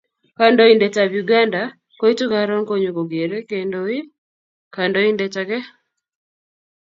kandoindet ab Uganda koitu karon konyoko kere kendoi kandoindet ake